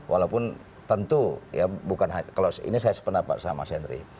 walaupun tentu ya bukan ini saya sependapat sama senri